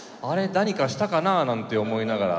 何かしたかな？」なんて思いながら。